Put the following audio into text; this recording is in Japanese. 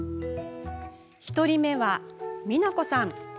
１人目は、みなこさん。